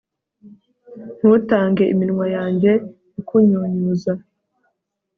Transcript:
ntutange iminwa yanjye ikunyunyuza